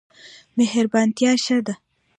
مهربانتیا ښه ده.